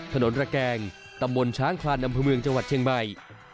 ระแกงตำบลช้างคลานอำเภอเมืองจังหวัดเชียงใหม่